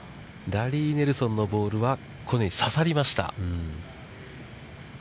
ラリー・ネルソンのボールは、このように刺さりました。